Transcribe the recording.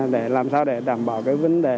để làm sao để đảm bảo vấn đề